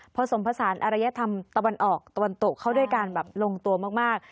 ผสมผสานอรยธรรมตะวันออกตะวันตกเข้าด้วยการแบบลงตัวมาก